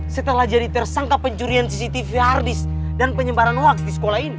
setelah jadi tersangka pencurian cctv ardis dan penyebaran hoax di sekolah ini